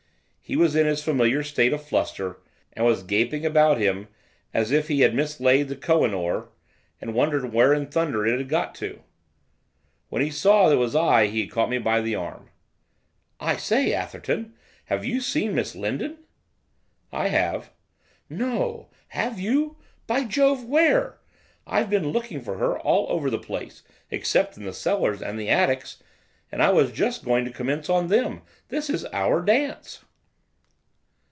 He was in his familiar state of fluster, and was gaping about him as if he had mislaid the Koh i noor, and wondered where in thunder it had got to. When he saw it was I he caught me by the arm. 'I say, Atherton, have you seen Miss Lindon?' 'I have.' 'No! Have you? By Jove! Where? I've been looking for her all over the place, except in the cellars and the attics, and I was just going to commence on them. This is our dance.